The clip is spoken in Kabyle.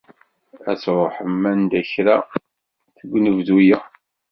Ad truḥem anda kra deg unebdu-ya?